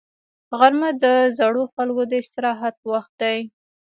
غرمه د زړو خلکو د استراحت وخت دی